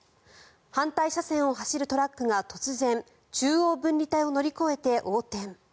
反対車線を走るトラックが突然中央分離帯を乗り越えて横転。